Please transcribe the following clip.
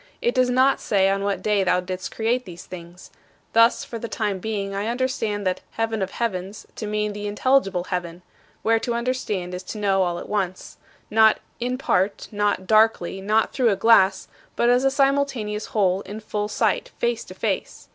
It does not say on what day thou didst create these things. Thus, for the time being I understand that "heaven of heavens" to mean the intelligible heaven, where to understand is to know all at once not "in part," not "darkly," not "through a glass" but as a simultaneous whole, in full sight, "face to face."